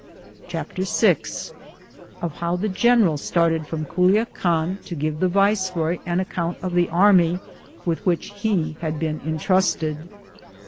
CHAPTER VI Of how the general started from Culiacan to give the viceroy an account of the array with which he had been Intrusted.